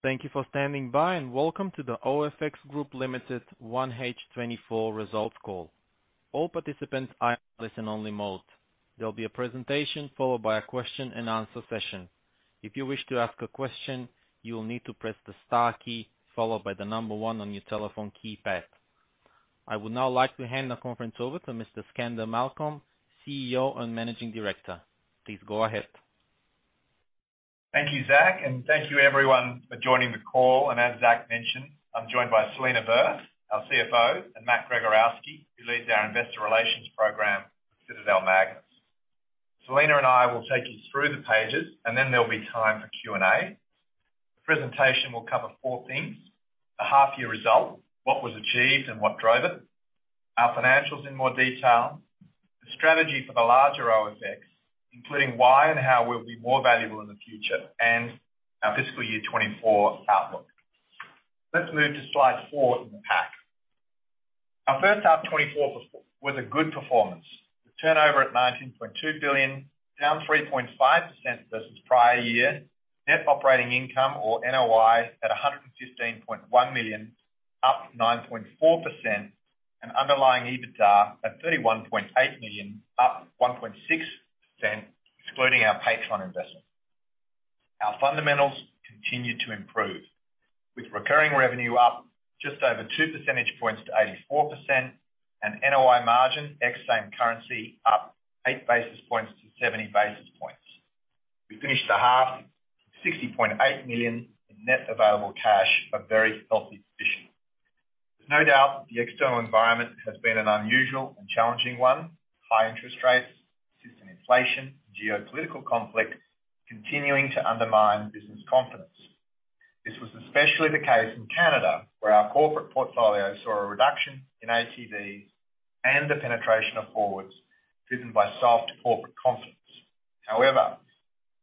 Thank you for standing by, and welcome to the OFX Group Limited 1H 2024 results call. All participants are in listen-only mode. There'll be a presentation, followed by a question and answer session. If you wish to ask a question, you will need to press the star key, followed by the number 1 on your telephone keypad. I would now like to hand the conference over to Mr. Skander Malcolm, CEO and Managing Director. Please go ahead. Thank you, Zach, and thank you everyone for joining the call. As Zach mentioned, I'm joined by Selena Verth, our CFO, and Matt Gregorowski, who leads our investor relations program with Citadel-MAGNUS. Selena and I will take you through the pages, and then there'll be time for Q&A. The presentation will cover four things: the half year results, what was achieved and what drove it, our financials in more detail, the strategy for the larger OFX, including why and how we'll be more valuable in the future, and our fiscal year 2024 outlook. Let's move to slide 4 in the pack. Our first half of 2024 was a good performance. The turnover at 19.2 billion, down 3.5% versus prior year. Net operating income, or NOI, at 115.1 million, up 9.4%, and underlying EBITDA at 31.8 million, up 1.6%, excluding our Paytron investment. Our fundamentals continued to improve, with recurring revenue up just over 2 percentage points to 84% and NOI margin, ex same currency, up 8 basis points to 70 basis points. We finished the half, 60.8 million in net available cash, a very healthy position. There's no doubt that the external environment has been an unusual and challenging one. High interest rates, persistent inflation, geopolitical conflict, continuing to undermine business confidence. This was especially the case in Canada, where our corporate portfolio saw a reduction in ATVs and the penetration of forwards, driven by soft corporate confidence. However,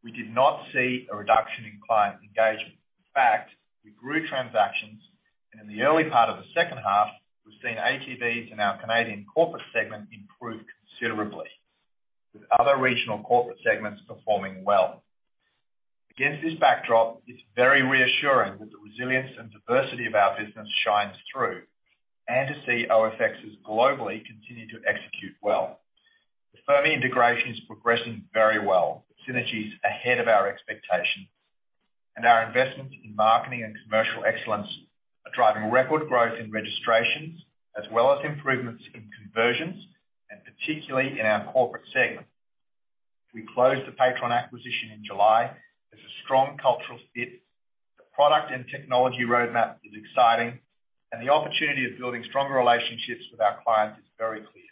we did not see a reduction in client engagement. In fact, we grew transactions, and in the early part of the second half, we've seen ATVs in our Canadian corporate segment improve considerably, with other regional corporate segments performing well. Against this backdrop, it's very reassuring that the resilience and diversity of our business shines through, and to see OFXers globally continue to execute well. The Firma integration is progressing very well, with synergies ahead of our expectations, and our investments in marketing and commercial excellence are driving record growth in registrations, as well as improvements in conversions, and particularly in our corporate segment. We closed the Paytron acquisition in July. It's a strong cultural fit. The product and technology roadmap is exciting, and the opportunity of building stronger relationships with our clients is very clear.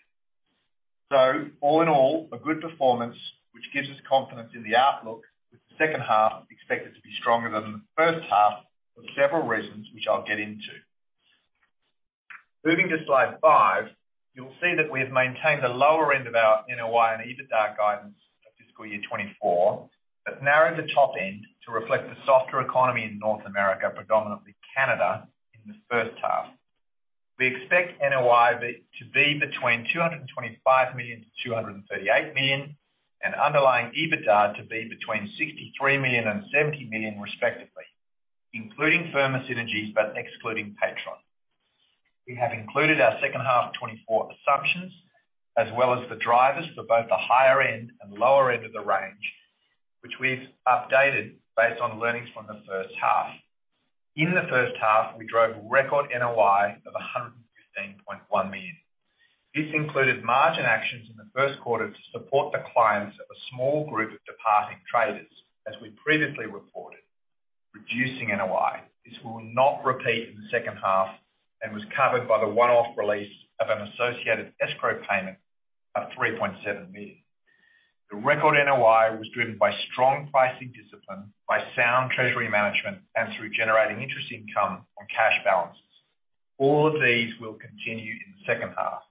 So all in all, a good performance, which gives us confidence in the outlook, with the second half expected to be stronger than the first half for several reasons, which I'll get into. Moving to slide five, you'll see that we have maintained the lower end of our NOI and EBITDA guidance for fiscal year 2024, but narrowed the top end to reflect the softer economy in North America, predominantly Canada, in the first half. We expect NOI to be between 225 million and 238 million, and underlying EBITDA to be between 63 million and 70 million respectively, including Firma synergies, but excluding Paytron. We have included our second half of 2024 assumptions, as well as the drivers for both the higher end and lower end of the range, which we've updated based on learnings from the first half. In the first half, we drove record NOI of 115.1 million. This included margin actions in the first quarter to support the clients of a small group of departing traders, as we previously reported, reducing NOI. This will not repeat in the second half and was covered by the one-off release of an associated escrow payment of 3.7 million. The record NOI was driven by strong pricing discipline, by sound treasury management, and through generating interest income on cash balances. All of these will continue in the second half.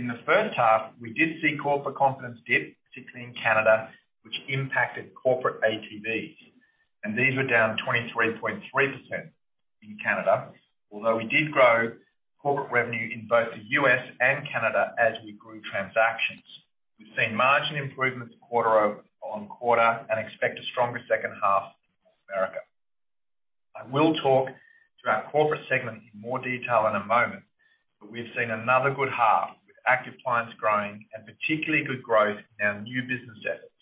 In the first half, we did see corporate confidence dip, particularly in Canada, which impacted corporate ATVs, and these were down 23.3% in Canada. Although we did grow corporate revenue in both the U.S. and Canada as we grew transactions, we've seen margin improvements quarter-over-quarter and expect a stronger second half in North America. I will talk to our corporate segment in more detail in a moment, but we've seen another good half, with active clients growing and particularly good growth in our new business efforts,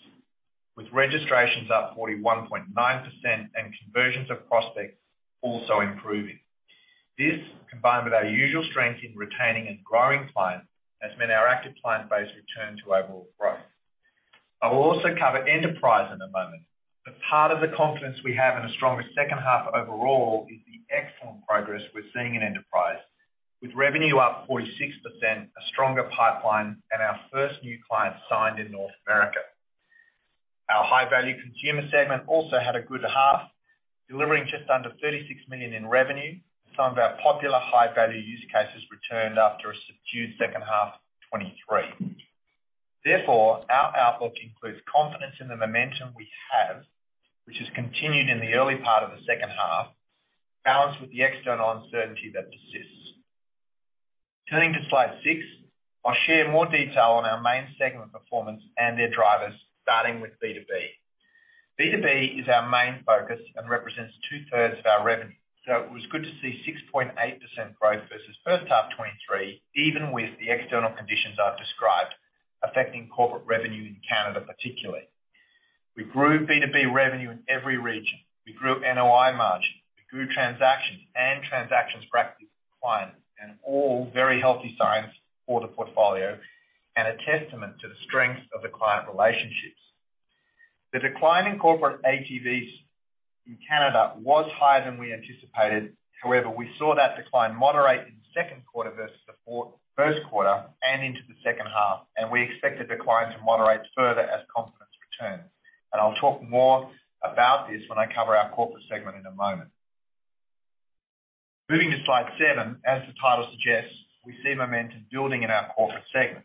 with registrations up 41.9% and conversions of prospects also improving. This, combined with our usual strength in retaining and growing clients, has meant our active client base returned to overall growth. I will also cover Enterprise in a moment, but part of the confidence we have in a stronger second half overall is the excellent progress we're seeing in Enterprise, with revenue up 46%, a stronger pipeline, and our first new client signed in North America. Our high-value consumer segment also had a good half, delivering just under 36 million in revenue. Some of our popular high-value use cases returned after a subdued second half of 2023. Therefore, our outlook includes confidence in the momentum we have, which has continued in the early part of the second half, balanced with the external uncertainty that persists.... Turning to slide 6, I'll share more detail on our main segment performance and their drivers, starting with B2B. B2B is our main focus and represents two-thirds of our revenue. So it was good to see 6.8% growth versus first half 2023, even with the external conditions I've described affecting corporate revenue in Canada, particularly. We grew B2B revenue in every region. We grew NOI margin. We grew transactions and transactions for active clients, and all very healthy signs for the portfolio and a testament to the strength of the client relationships. The decline in corporate ATVs in Canada was higher than we anticipated. However, we saw that decline moderate in the second quarter versus the first quarter and into the second half, and we expect the decline to moderate further as confidence returns. I'll talk more about this when I cover our corporate segment in a moment. Moving to slide 7, as the title suggests, we see momentum building in our corporate segment.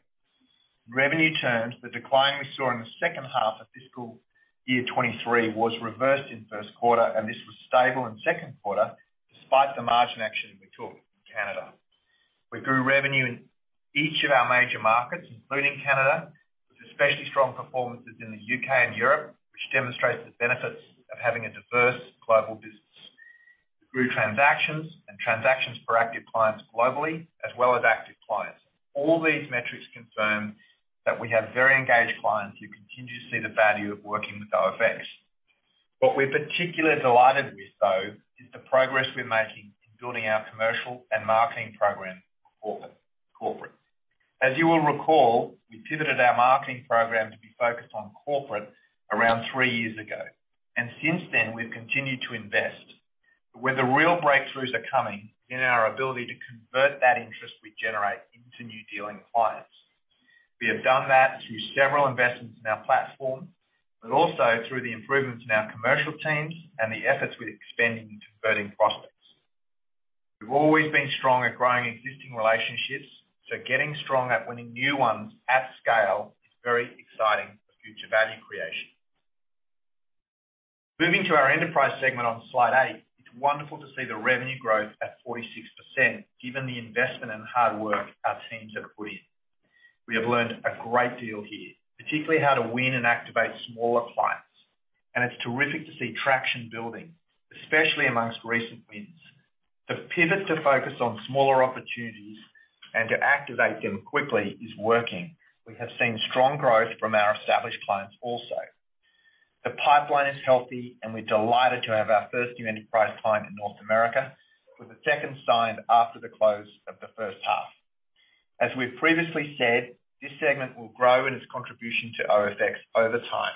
Revenue terms, the decline we saw in the second half of fiscal year 2023 was reversed in the first quarter, and this was stable in the second quarter, despite the margin action we took in Canada. We grew revenue in each of our major markets, including Canada, with especially strong performances in the UK and Europe, which demonstrates the benefits of having a diverse global business. We grew transactions and transactions for active clients globally, as well as active clients. All these metrics confirm that we have very engaged clients who continue to see the value of working with OFX. What we're particularly delighted with, though, is the progress we're making in building our commercial and marketing program for corporate. As you will recall, we pivoted our marketing program to be focused on corporate around three years ago, and since then, we've continued to invest. Where the real breakthroughs are coming in our ability to convert that interest we generate into new dealing clients. We have done that through several investments in our platform, but also through the improvements in our commercial teams and the efforts we're expanding into converting prospects. We've always been strong at growing existing relationships, so getting strong at winning new ones at scale is very exciting for future value creation. Moving to our enterprise segment on slide 8, it's wonderful to see the revenue growth at 46%, given the investment and hard work our teams have put in. We have learned a great deal here, particularly how to win and activate smaller clients. It's terrific to see traction building, especially among recent wins. The pivot to focus on smaller opportunities and to activate them quickly is working. We have seen strong growth from our established clients also. The pipeline is healthy, and we're delighted to have our first new enterprise client in North America, with a second signed after the close of the first half. As we've previously said, this segment will grow in its contribution to OFX over time,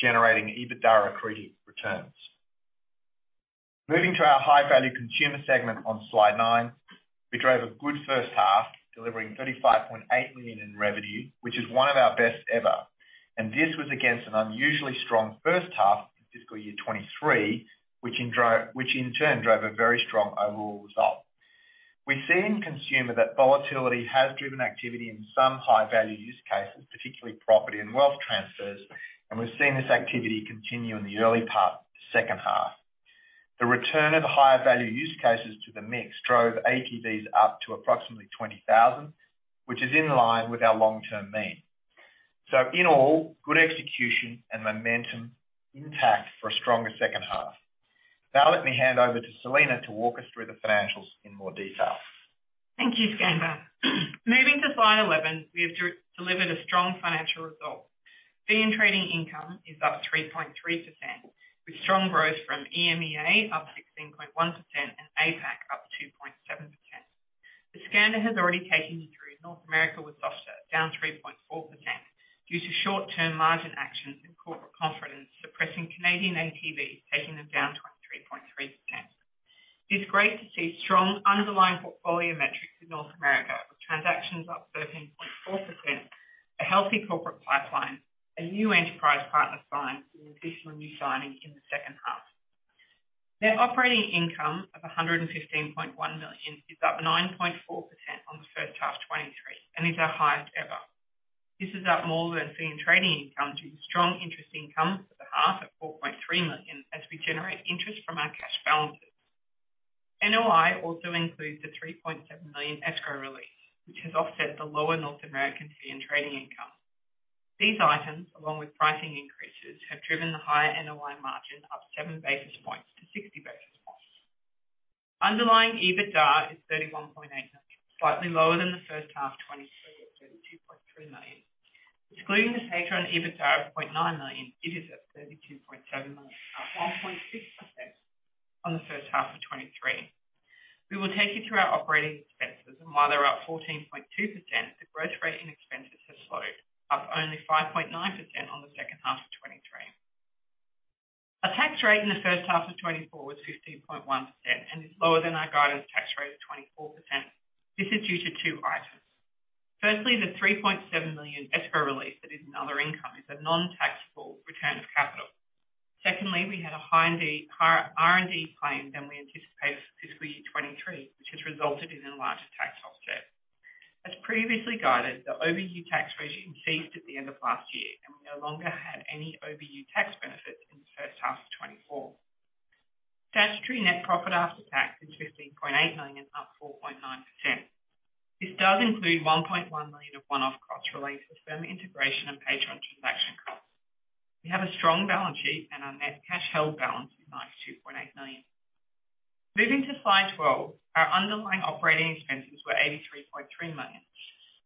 generating EBITDA accretive returns. Moving to our high-value consumer segment on slide 9, we drove a good first half, delivering 35.8 million in revenue, which is one of our best ever. And this was against an unusually strong first half of fiscal year 2023, which in turn drove a very strong overall result. We've seen that consumer volatility has driven activity in some high-value use cases, particularly property and wealth transfers, and we've seen this activity continue in the early part of the second half. The return of higher value use cases to the mix drove ATVs up to approximately 20,000, which is in line with our long-term mean. So in all, good execution and momentum intact for a stronger second half. Now let me hand over to Selena to walk us through the financials in more detail. Thank you, Skander. Moving to slide 11, we have delivered a strong financial result. Fee and trading income is up 3.3%, with strong growth from EMEA up 16.1% and APAC up 2.7%. As Skander has already taken you through, North America was softer, down 3.4%, due to short-term margin actions and corporate confidence suppressing Canadian ATVs, taking them down 23.3%. It's great to see strong underlying portfolio metrics in North America, with transactions up 13.4%, a healthy corporate pipeline, a new enterprise partner signed with additional new signings in the second half. Net operating income of AUD 115.1 million is up 9.4% on the first half of 2023 and is our highest ever. This is up more than fee and trading income, due to strong interest income for the half of 4.3 million as we generate interest from our cash balances. NOI also includes the 3.7 million escrow release, which has offset the lower North American fee and trading income. These items, along with pricing increases, have driven the higher NOI margin up 7 basis points to 60 basis points. Underlying EBITDA is 31.8 million, slightly lower than the first half of 2023 at 32.3 million. Excluding the Paytron EBITDA of 0.9 million, it is at 32.7 million, up 1.6% on the first half of 2023. We will take you through our operating expenses, and while they're up 14.2%, the growth rate in expenses has slowed, up only 5.9% on the second half of 2023. Our tax rate in the first half of 2024 was 15.1% and is lower than our guidance tax rate of 24%. This is due to two items. Firstly, the 3.7 million escrow release that is in other income is a non-taxable return of capital. Secondly, we had a higher R&D claim than we anticipated for fiscal year 2023, which has resulted in a larger tax offset. As previously guided, the OBU tax regime ceased at the end of last year, and we no longer had any OBU tax benefits in the first half of 2024.... Statutory net profit after tax is 15.8 million, up 4.9%. This does include 1.1 million of one-off costs related to Firma integration and Paytron transaction costs. We have a strong balance sheet, and our net cash held balance is 92.8 million. Moving to slide 12, our underlying operating expenses were 83.3 million.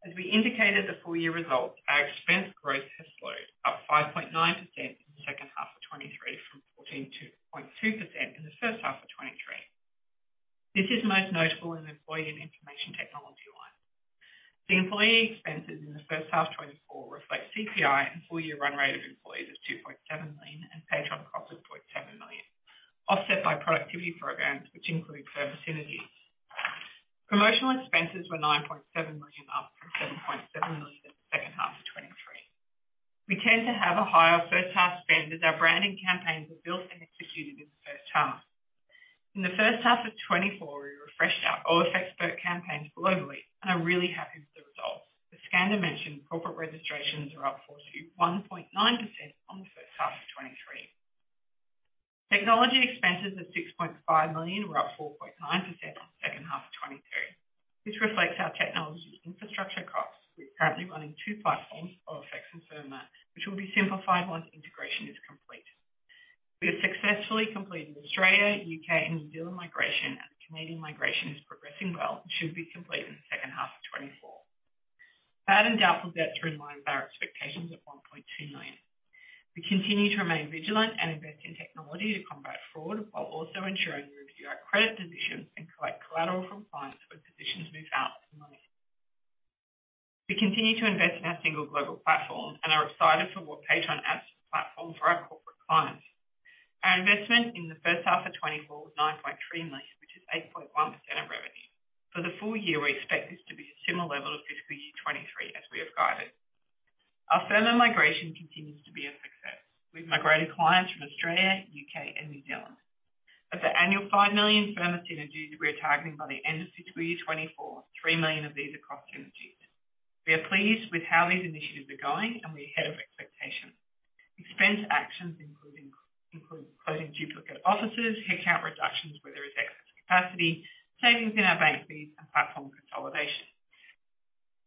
As we indicated, the full-year results, our expense growth has slowed up 5.9% in the second half of 2023, from 14.2% in the first half of 2023. This is most notable in the employee and information technology lines. The employee expenses in the first half of 2024 reflect CPI and full-year run rate of employees of 2.7 million and Paytron costs of 0.7 million, offset by productivity programs, which include Firma synergies. Promotional expenses were 9.7 million, up from 7.7 million in the second half of 2023. We tend to have a higher first half spend, as our branding campaigns are built and executed in the first half. In the first half of 2024, we refreshed our OFXpert campaigns globally, and are really happy with the results. As Skander mentioned, corporate registrations are up 41.9% on the first half of 2023. Technology expenses of 6.5 million were up 4.9% on the second half of 2022. This reflects our technology infrastructure costs. We're currently running two platforms, OFX and Firma, which will be simplified once integration is complete. We have successfully completed Australia, U.K., and New Zealand migration, and the Canadian migration is progressing well and should be complete in the second half of 2024. Bad and doubtful debt is in line with our expectations of 1.2 million. We continue to remain vigilant and invest in technology to combat fraud, while also ensuring we review our credit positions and collect collateral from clients when positions move out of the money. We continue to invest in our single global platform and are excited for what Paytron adds to the platform for our corporate clients. Our investment in the first half of 2024 was 9.3 million, which is 8.1% of revenue. For the full year, we expect this to be a similar level of fiscal year 2023, as we have guided. Our Firma migration continues to be a success. We've migrated clients from Australia, UK, and New Zealand. Of the annual 5 million Firma synergies we are targeting by the end of fiscal year 2024, 3 million of these are cost synergies. We are pleased with how these initiatives are going, and we're ahead of expectation. Expense actions, including closing duplicate offices, headcount reductions where there is excess capacity, savings in our bank fees and platform consolidation.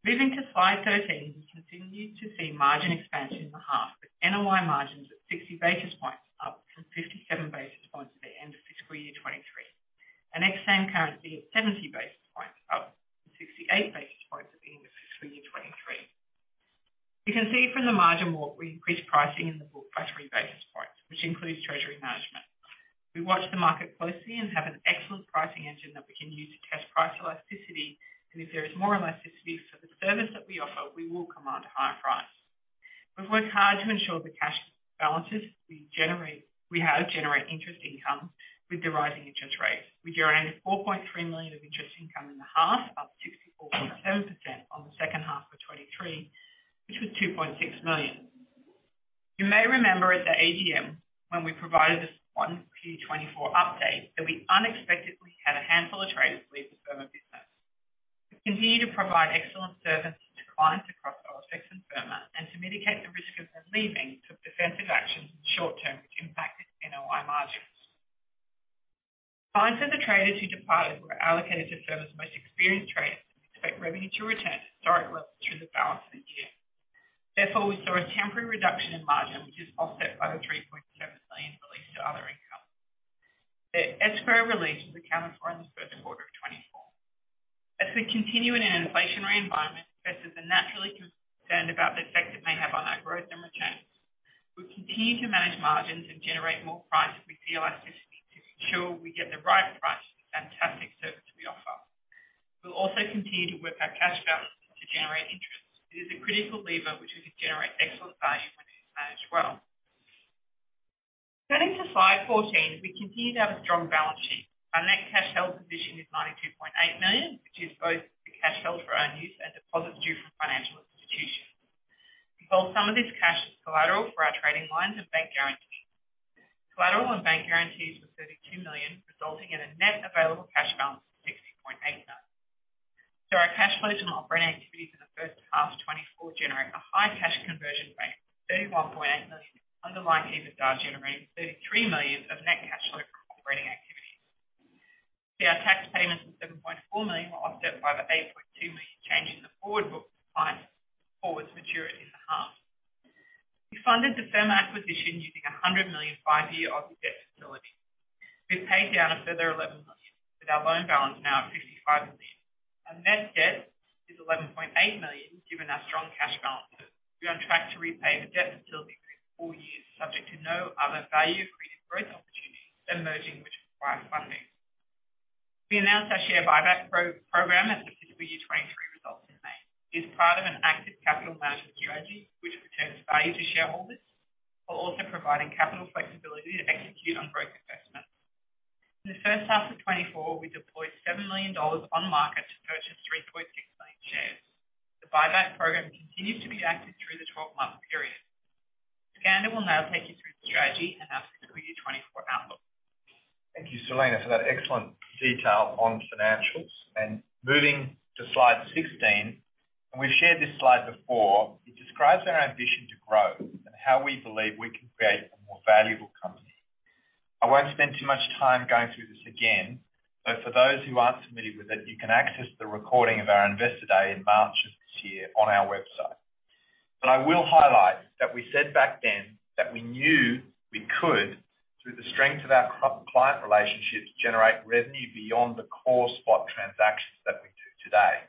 Moving to slide 13, we continue to see margin expansion in the half, with NOI margins at 60 basis points, up from 57 basis points at the end of fiscal year 2023, and ex-Same Currency at 70 basis points, up from 68 basis points at the end of fiscal year 2023. You can see from the margin walk, we increased pricing in the book by 3 basis points, which includes treasury management. We watch the market closely and have an excellent pricing engine that we can use to test price elasticity, and if there is more elasticity for the service that we offer, we will command a higher price. We've worked hard to ensure the cash balances we generate—we generate interest income with the rising interest rates. We generated 4.3 million of interest income in the half, up 64.7% on the second half of 2023, which was 2.6 million. You may remember at the AGM, when we provided a 1Q 2024 update, that we unexpectedly had a handful of traders leave the Firma business. We continue to provide excellent services to clients across OFX and Firma, and to mitigate the risk of them leaving, took defensive actions in the short term, which impacted NOI margins. Clients of the traders who departed were allocated to Firma's most experienced traders and expect revenue to return to historic levels through the balance of the year. Therefore, we saw a temporary reduction in margin, which is offset by the AUD 3.7 million released to other income. The escrow release is accounted for in the first quarter of 2024. As we continue in an inflationary environment, investors are naturally concerned about the effect it may have on our growth and returns. We'll continue to manage margins and generate more price if we see elasticity to ensure we get the right price for the fantastic service we offer. We'll also continue to work our cash balances to generate interest. It is a critical lever, which we can generate excellent value when it is managed well. Turning to slide 14, we continue to have a strong balance sheet. Our net cash held position is 92.8 million, which is both the cash held for own use and deposits due from financial institutions. We hold some of this cash as collateral for our trading lines and bank guarantees. Collateral and bank guarantees were 32 million, resulting in a net available cash balance of 60.8 million. So our cash flows from operating activities in the first half of 2024 generate a high cash conversion rate of 31.8 million, underlying EBITDA generating 33 million of net cash flow from operating activities. Our tax payments of 7.4 million were offset by the 8.2 million change in the forward book of clients, forwards maturities in half. We funded the Firma acquisition using a 100 million five-year ob debt facility. We've paid down a further 11 million, with our loan balance now at 55 million. Our net debt is 11.8 million, given our strong cash balances. We are on track to repay the debt facility through the full year, subject to no other value-creating growth opportunities emerging which require funding. We announced our share buyback program at the fiscal year 2023 results in May. It is part of an active capital management strategy, which returns value to shareholders, while also providing capital flexibility to execute on growth investments. In the first half of 2024, we deployed 7 million dollars on the market to purchase 3.6 million shares. The buyback program continues to be active through the 12-month period. Skander will now take you through the strategy and our fiscal year 2024 outlook. Thank you, Selena, for that excellent detail on financials. Moving to slide 16. We've shared this slide before. It describes our ambition to grow and how we believe we can create a more valuable company. I won't spend too much time going through this again, but for those who aren't familiar with it, you can access the recording of our Investor Day in March of this year on our website. But I will highlight that we said back then that we knew we could, through the strength of our client relationships, generate revenue beyond the core spot transactions that we do today.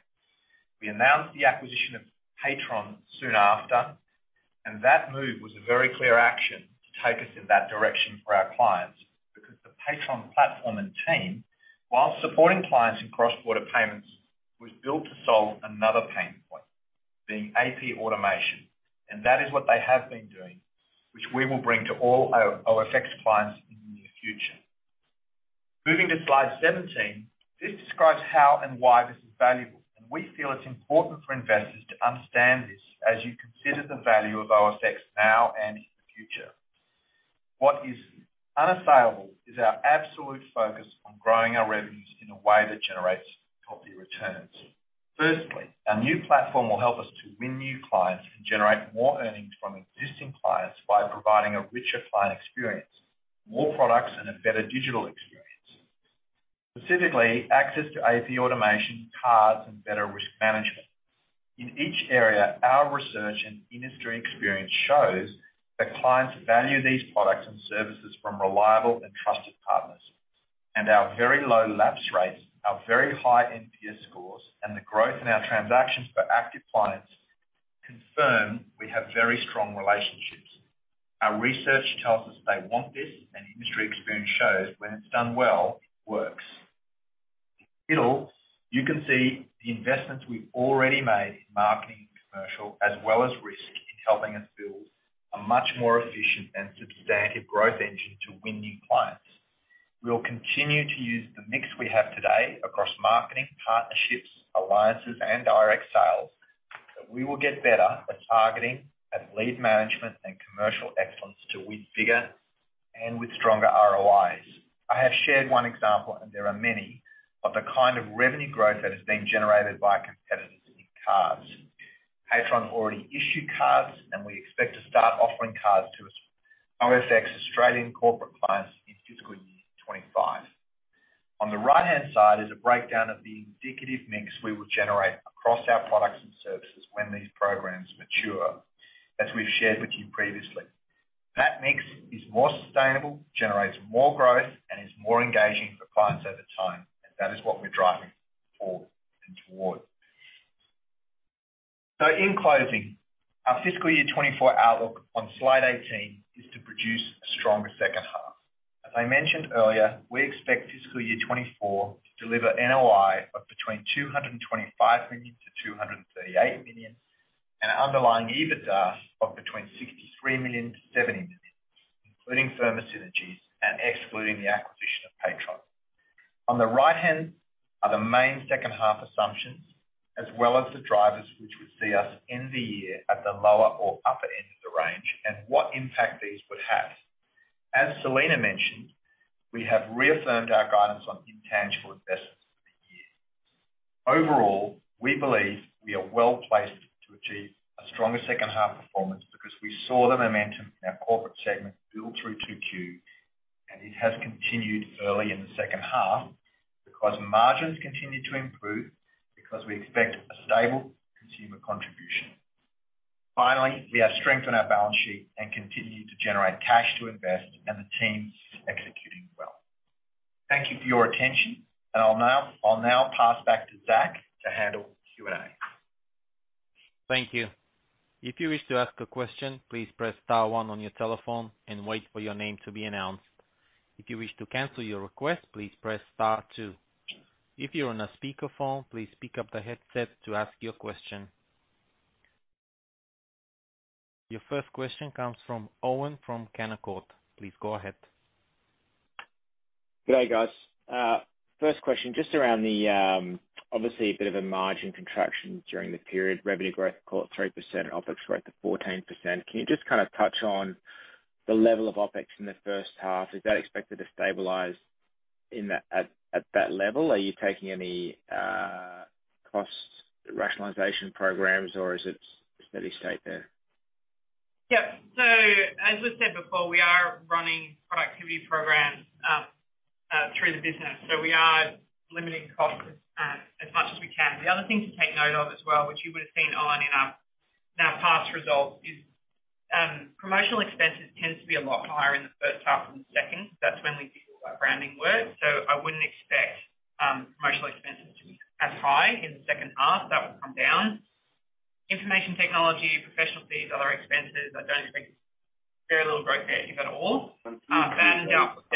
We announced the acquisition of Paytron soon after, and that move was a very clear action to take us in that direction for our clients, because the Paytron platform and team, while supporting clients in cross-border payments, was built to solve another pain point, being AP automation. That is what they have been doing, which we will bring to all our OFX clients in the near future. Moving to slide 17, this describes how and why this is valuable, and we feel it's important for investors to understand this as you consider the value of OFX now and in the future. What is unassailable is our absolute focus on growing our revenues in a way that generates healthy returns. Firstly, our new platform will help us to win new clients and generate more earnings from existing clients by providing a richer client experience, more products, and a better digital experience. Specifically, access to AP automation, cards, and better risk management. In each area, our research and industry experience shows that clients value these products and services from reliable and trusted partners. Our very low lapse rates, our very high NPS scores, and the growth in our transactions for active clients confirm we have very strong relationships. Our research tells us they want this, and industry experience shows when it's done well, works. It all, you can see the investments we've already made in marketing and commercial, as well as risk, in helping us build a much more efficient and substantive growth engine to win new clients. We'll continue to use the mix we have today across marketing, partnerships, alliances, and direct sales, but we will get better at targeting and lead management and commercial excellence to win bigger and with stronger ROIs. I have shared one example, and there are many, of the kind of revenue growth that is being generated by competitors in cards. Paytron already issued cards, and we expect to start offering cards to some OFX Australian corporate clients in fiscal year 25. On the right-hand side is a breakdown of the indicative mix we will generate across our products and services when these programs mature, as we've shared with you previously. That mix is more sustainable, generates more growth, and is more engaging for clients over time, and that is what we're driving for and towards. So in closing, our fiscal year 2024 outlook on slide 18 is to produce a stronger second half. As I mentioned earlier, we expect fiscal year 2024 to deliver NOI of between 225 million-238 million, and underlying EBITDA of between 63 million-70 million, including Firma synergies and excluding the acquisition of Paytron. On the right hand are the main second half assumptions, as well as the drivers, which would see us end the year at the lower or upper end of the range and what impact these would have. As Selena mentioned, we have reaffirmed our guidance on intangible investments for the year. Overall, we believe we are well placed to achieve a stronger second half performance because we saw the momentum in our corporate segment build through 2Q, and it has continued early in the second half because margins continue to improve, because we expect a stable consumer contribution. Finally, we have strength on our balance sheet and continue to generate cash to invest, and the team's executing well. Thank you for your attention, and I'll now, I'll now pass back to Zach to handle the Q&A. Thank you. If you wish to ask a question, please press star one on your telephone and wait for your name to be announced. If you wish to cancel your request, please press star two. If you're on a speaker phone, please pick up the headset to ask your question. Your first question comes from Owen from Canaccord. Please go ahead. Good day, guys. First question, just around the, obviously a bit of a margin contraction during the period. Revenue growth of 3%, OpEx growth of 14%. Can you just kind of touch on the level of OpEx in the first half? Is that expected to stabilize in that... at, at that level? Are you taking any cost rationalization programs or is it steady state there? Yep. So as we've said before, we are running productivity programs through the business, so we are limiting costs as much as we can. The other thing to take note of as well, which you would have seen in our past results, is promotional expenses tends to be a lot higher in the first half than the second. That's when we do our branding work, so I wouldn't expect promotional expenses to be as high in the second half. That will come down. Information technology, professional fees, other expenses, I don't expect very little growth there, if at all. That and the output,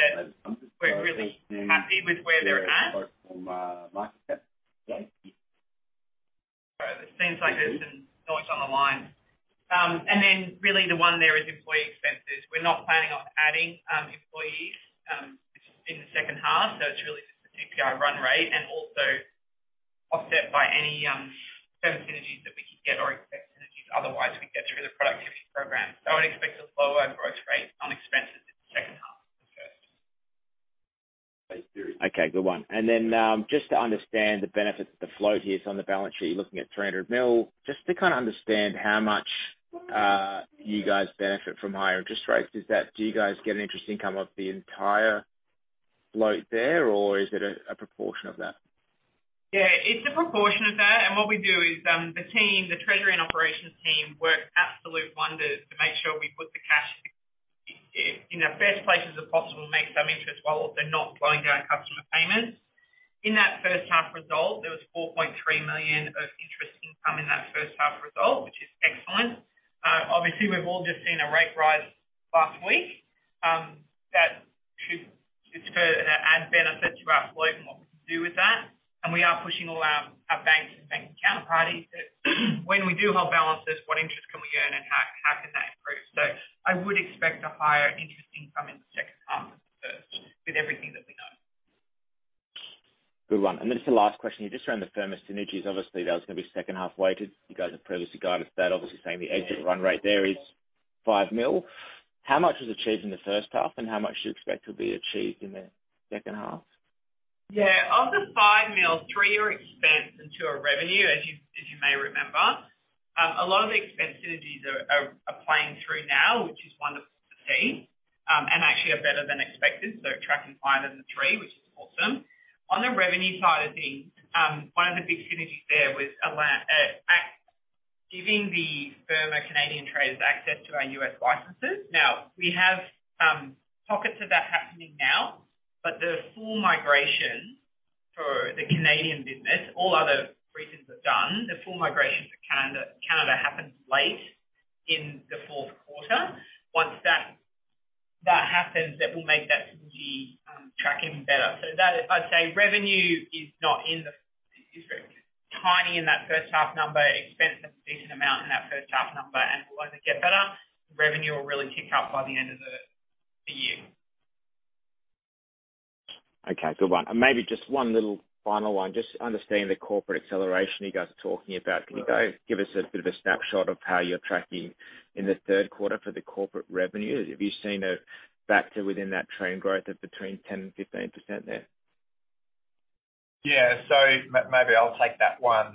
we're really happy with where they're at. From, Market Cap. Sorry, it seems like there's some noise on the line. Then really the one there is employee expenses. We're not planning on adding employees in the second half, so it's really just a CPI run rate and also offset by any synergies that we could get or expect synergies otherwise we can-... Okay, good one. And then, just to understand the benefits of the float here. So on the balance sheet, you're looking at 300 million. Just to kind of understand how much, you guys benefit from higher interest rates, is that do you guys get an interest income of the entire float there, or is it a proportion of that? Yeah, it's a proportion of that. And what we do is, the team, the treasury and operations team, work absolute wonders to make sure we put the cash in, in the best places as possible, make some interest while they're not blowing down customer payments. In that first half result, there was 4.3 million of interest income in that first half result, which is excellent. Obviously, we've all just seen a rate rise last week, that should add benefit to our flow and what we can do with that. And we are pushing all our, our banks and bank counterparties that when we do hold balances, what interest can we earn, and how, how can that improve? So I would expect a higher interest income in the second half with everything that we know. Good one. And then just the last question, you just ran the Firma synergies. Obviously, that was going to be second half weighted. You guys have previously guided that, obviously saying the exit run rate there is 5 million. How much was achieved in the first half, and how much do you expect will be achieved in the second half? Yeah, of the 5 million, 3 million are expense and 2 million are revenue, as you, as you may remember. A lot of the expense synergies are playing through now, which is wonderful to see, and actually are better than expected, so tracking higher than the 3 million, which is awesome. On the revenue side of things, one of the big synergies there was giving the Firma Canadian traders access to our US licenses. Now, we have pockets of that happening now, but the full migration for the Canadian business, all other regions are done. The full migration to Canada happens late in the fourth quarter. Once that happens, that will make that synergy tracking better. So that is. I'd say revenue is not in the... It's very tiny in that first half number, expense is a decent amount in that first half number, and will only get better. Revenue will really kick up by the end of the year. Okay, good one. Maybe just one little final one, just to understand the corporate acceleration you guys are talking about. Can you guys give us a bit of a snapshot of how you're tracking in the third quarter for the corporate revenues? Have you seen it back to within that trend growth of between 10% and 15% there? Yeah. So maybe I'll take that one.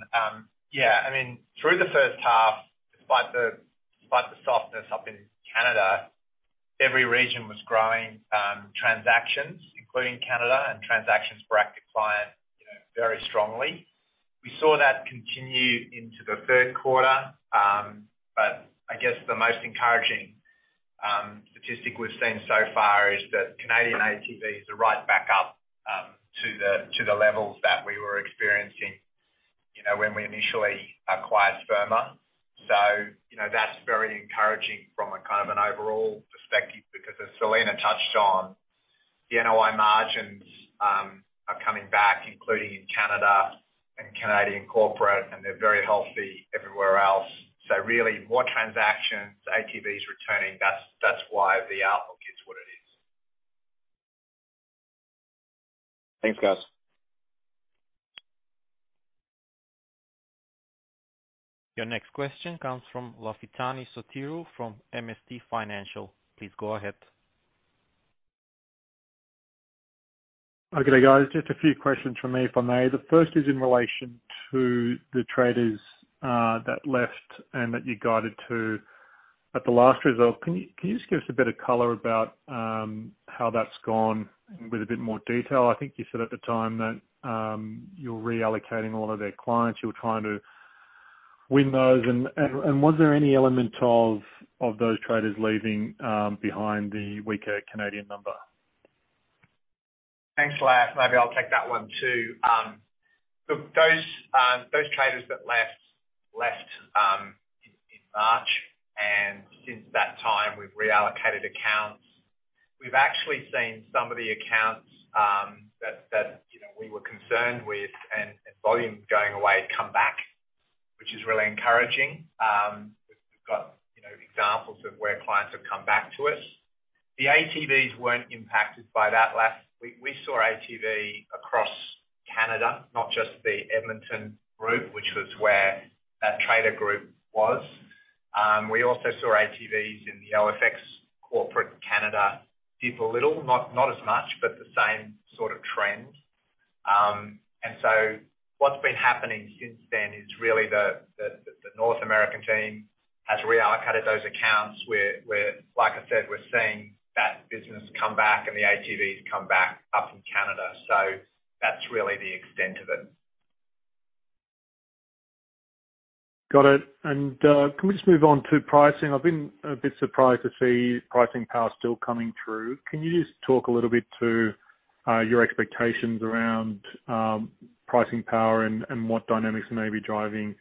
Yeah, I mean, through the first half, despite the, despite the softness up in Canada, every region was growing, transactions, including Canada, and transactions for active clients, you know, very strongly. We saw that continue into the third quarter. But I guess the most encouraging statistic we've seen so far is that Canadian ATVs are right back up, to the, to the levels that we were experiencing, you know, when we initially acquired Firma. So, you know, that's very encouraging from a kind of an overall perspective, because as Selena touched on, the NOI margins are coming back, including in Canada and Canadian corporate, and they're very healthy everywhere else. So really, more transactions, ATVs returning, that's, that's why the outlook is what it is. Thanks, guys. Your next question comes from Lafitani Sotiriou from MST Financial. Please go ahead. Okay, guys, just a few questions from me, if I may. The first is in relation to the traders that left and that you guided to at the last result. Can you just give us a bit of color about how that's gone with a bit more detail? I think you said at the time that you're reallocating a lot of their clients, you were trying to win those. And was there any element of those traders leaving behind the weaker Canadian number? Thanks, Las. Maybe I'll take that one, too. So those traders that left in March, and since that time, we've reallocated accounts. We've actually seen some of the accounts that you know we were concerned with and volumes going away come back, which is really encouraging. We've got you know examples of where clients have come back to us. The ATVs weren't impacted by that last... We saw ATV across Canada, not just the Edmonton group, which was where that trader group was. We also saw ATVs in the OFX corporate Canada dip a little, not as much, but the same sort of trend. And so what's been happening since then is really the North American team has reallocated those accounts, where, like I said, we're seeing that business come back and the ATVs come back up in Canada. So that's really the extent of it. Got it. And can we just move on to pricing? I've been a bit surprised to see pricing power still coming through. Can you just talk a little bit to your expectations around pricing power and what dynamics may be driving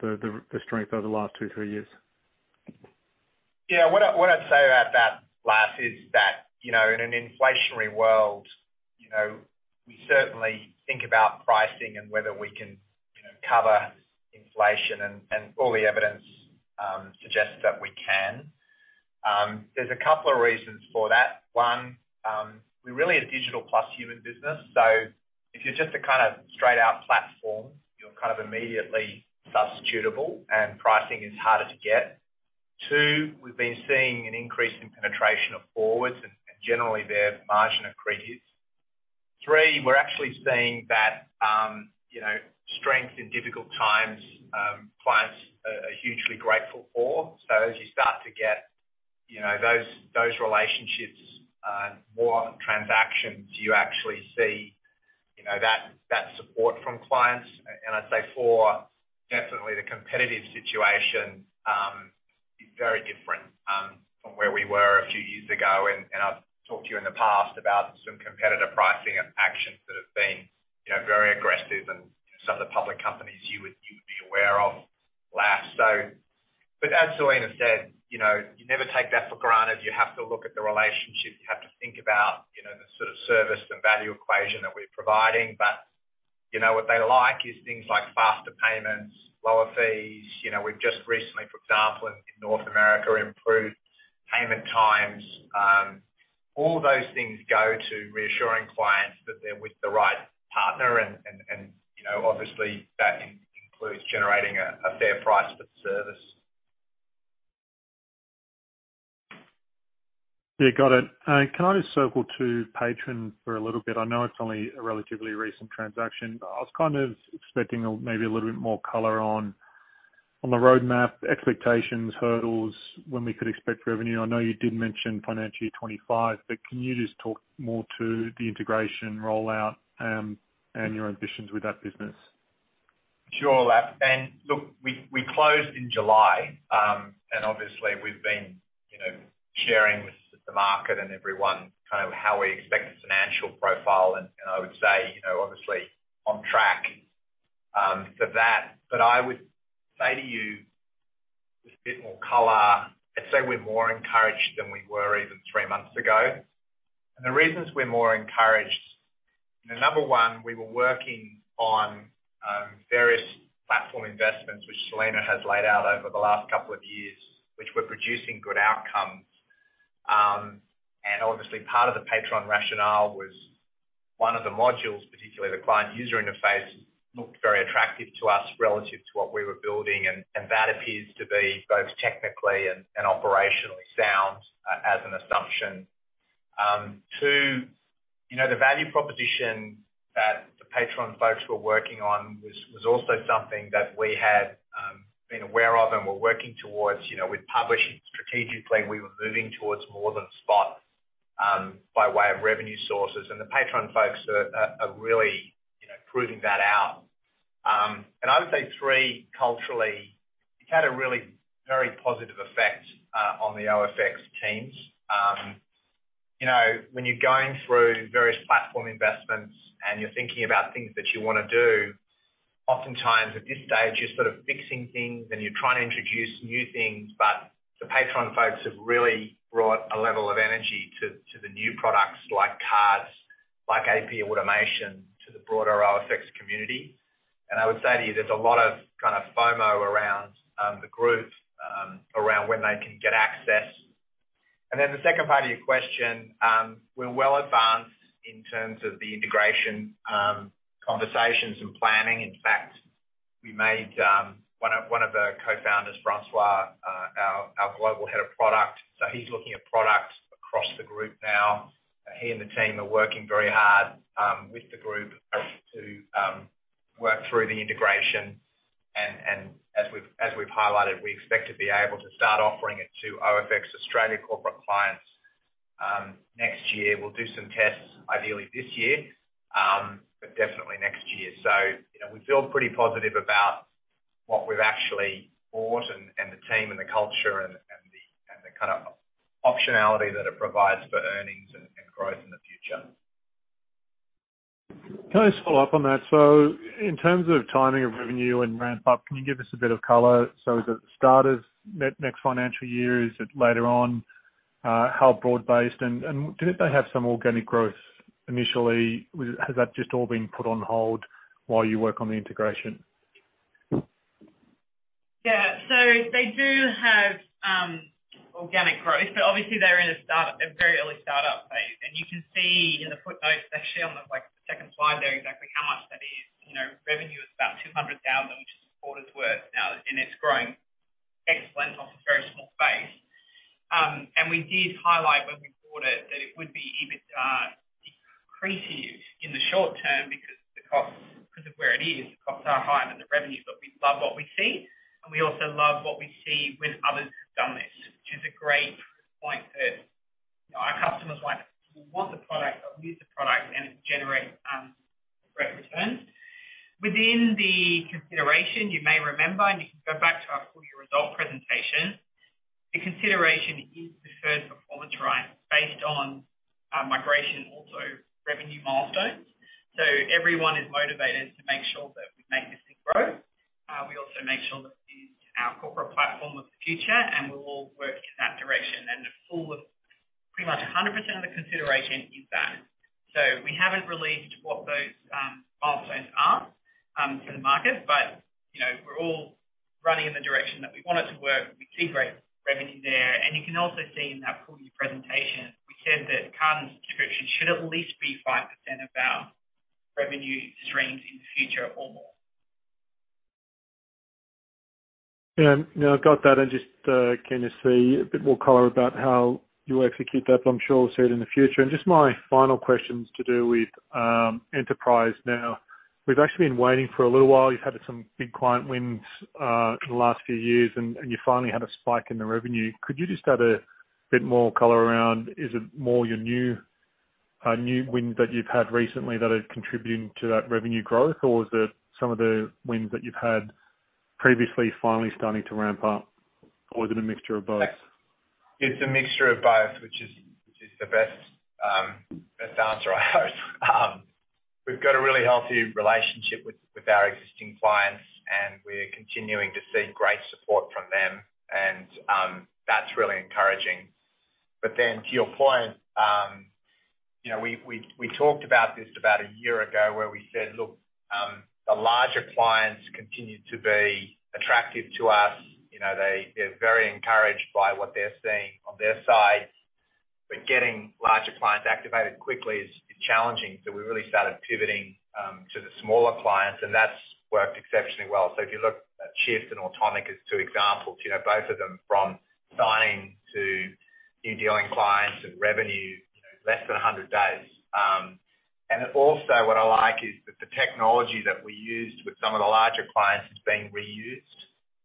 the strength over the last two, three years? Yeah. What I, what I'd say about that, Lafitani, is that, you know, in an inflationary world, you know, we certainly think about pricing and whether we can, you know, cover inflation and, and all the evidence suggests that we can. There's a couple of reasons for that. One, we're really a digital plus human business, so if you're just a kind of straight out platform, you're kind of immediately substitutable and pricing is harder to get... Two, we've been seeing an increase in penetration of forwards, and generally, their margin accretes. Three, we're actually seeing that, you know, strength in difficult times, clients are hugely grateful for. So as you start to get, you know, those relationships, more transactions, you actually see, you know, that support from clients. And I'd say 4, definitely the competitive situation is very different from where we were a few years ago. And I've talked to you in the past about some competitor pricing and actions that have been, you know, very aggressive, and some of the public companies you would be aware of last. But as Selena said, you know, you never take that for granted. You have to look at the relationship. You have to think about, you know, the sort of service and value equation that we're providing. But, you know, what they like is things like faster payments, lower fees. You know, we've just recently, for example, in North America, improved payment times. All those things go to reassuring clients that they're with the right partner and, you know, obviously, that includes generating a fair price for the service. Yeah, got it. Can I just circle to Paytron for a little bit? I know it's only a relatively recent transaction. I was kind of expecting a, maybe a little bit more color on, on the roadmap, expectations, hurdles, when we could expect revenue. I know you did mention financial year 2025, but can you just talk more to the integration rollout, and your ambitions with that business? Sure, Lap. And look, we closed in July. And obviously, we've been, you know, sharing with the market and everyone kind of how we expect the financial profile, and I would say, you know, obviously on track, for that. But I would say to you, just a bit more color, I'd say we're more encouraged than we were even three months ago. And the reasons we're more encouraged, the number one, we were working on various platform investments, which Selena has laid out over the last couple of years, which were producing good outcomes. And obviously, part of the Paytron rationale was one of the modules, particularly the client user interface, looked very attractive to us relative to what we were building. And that appears to be both technically and operationally sound, as an assumption. Two, you know, the value proposition that the Paytron folks were working on was also something that we had been aware of and were working towards. You know, with publishing strategically, we were moving towards more than spot by way of revenue sources. And the Paytron folks are really, you know, proving that out. And I would say three, culturally, it's had a really very positive effect on the OFX teams. You know, when you're going through various platform investments and you're thinking about things that you wanna do, oftentimes, at this stage, you're sort of fixing things and you're trying to introduce new things. But the Paytron folks have really brought a level of energy to the new products like cards, like AP automation, to the broader OFX community. I would say to you, there's a lot of kind of FOMO around the group around when they can get access. Then the second part of your question, we're well advanced in terms of the integration conversations and planning. In fact, we made one of the co-founders, Francois, our Global Head of Product. So he's looking at products across the group now. He and the team are working very hard with the group to work through the integration. And as we've highlighted, we expect to be able to start offering it to OFX Australia corporate clients next year. We'll do some tests, ideally this year, but definitely next year. You know, we feel pretty positive about what we've actually bought and, and the team, and the culture, and, and the, and the kind of optionality that it provides for earnings and, and growth in the future. Can I just follow up on that? So in terms of timing of revenue and ramp up, can you give us a bit of color? So is it the start of next financial year, is it later on, how broad-based, and did they have some organic growth initially? Has that just all been put on hold while you work on the integration? Yeah. So they do have organic growth, but obviously, they're in a startup, a very early startup phase. And you can see in the footnotes, actually, on the, like, the second slide there, exactly how much that is. You know, revenue is about 200,000, which is quarter's worth now, and it's growing excellent off a very small base. And we did highlight when we bought it, that it would be EBIT decreasing in the short term because the costs, because of where it is, the costs are higher than the revenue. But we love what we see, and we also love what we see when others have done this, which is a great point that, you know, our customers, like, want the product or use the product, and it generates great returns. Within the consideration, you may remember, and you can go back to our full year results presentation, the consideration is deferred performance rights based on migration, also revenue milestones. So everyone is motivated to make sure that we make this thing grow. We also make sure that it is our corporate platform of the future, and we'll all work in that direction. And the full, pretty much 100% of the consideration is that. So we haven't released what those milestones are to the market, but, you know, we're all running in the direction that we want it to work. We see great revenue there. And you can also see in that full year presentation, we said that card subscription should at least be 5% of our-... revenue streams in the future or more. Yeah, no, I've got that. I'm just keen to see a bit more color about how you execute that, but I'm sure we'll see it in the future. And just my final question is to do with enterprise now. We've actually been waiting for a little while. You've had some big client wins in the last few years, and you finally had a spike in the revenue. Could you just add a bit more color around? Is it more your new new wins that you've had recently that are contributing to that revenue growth? Or is it some of the wins that you've had previously, finally starting to ramp up? Or is it a mixture of both? It's a mixture of both, which is, which is the best best answer I have. We've got a really healthy relationship with, with our existing clients, and we're continuing to see great support from them, and that's really encouraging. But then to your point, you know, we, we, we talked about this about a year ago, where we said, "Look, the larger clients continue to be attractive to us. You know, they, they're very encouraged by what they're seeing on their sides, but getting larger clients activated quickly is, is challenging." So we really started pivoting to the smaller clients, and that's worked exceptionally well. So if you look at Shift and Automic as two examples, you know, both of them from signing to new dealing clients and revenue, less than 100 days. And also what I like is that the technology that we used with some of the larger clients is being reused.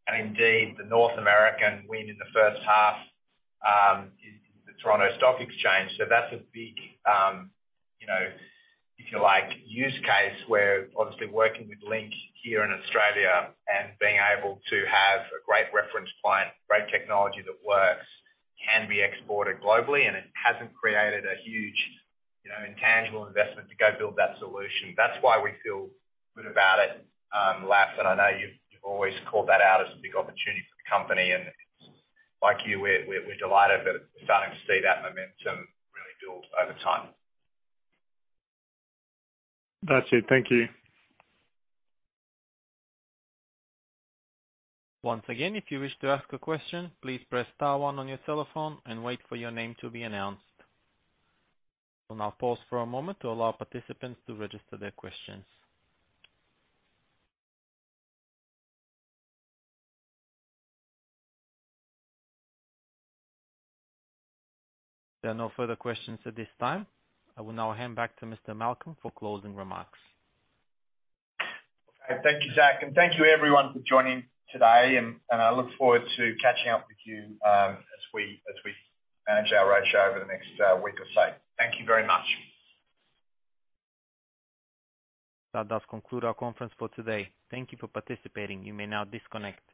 And indeed, the North American win in the first half is the Toronto Stock Exchange. So that's a big, you know, if you like, use case, where obviously working with Link here in Australia and being able to have a great reference client, great technology that works, can be exported globally, and it hasn't created a huge, you know, intangible investment to go build that solution. That's why we feel good about it, Laf, and I know you've always called that out as a big opportunity for the company. And like you, we're delighted that we're starting to see that momentum really build over time. That's it. Thank you. Once again, if you wish to ask a question, please press star one on your telephone and wait for your name to be announced. We'll now pause for a moment to allow participants to register their questions. There are no further questions at this time. I will now hand back to Mr. Malcolm for closing remarks. Okay. Thank you, Zach, and thank you everyone for joining today, and I look forward to catching up with you, as we manage our roadshow over the next week or so. Thank you very much. That does conclude our conference for today. Thank you for participating. You may now disconnect.